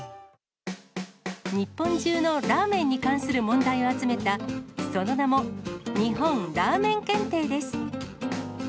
日本中のラーメンに関する問題を集めた、その名も、日本ラーメン検定です。